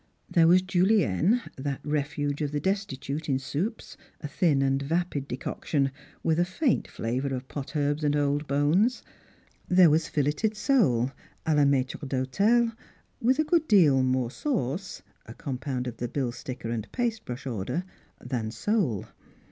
There was Julienne, that refuge of the destitute in soups, a thin and vapid decoc tion, with a faint flavour of pot herbs and old bones ; there waa filleted sole a la niaitre d'hotel, with a good deal more sauce^ h compound of the bill sticker and paste bru.sli order — than sole.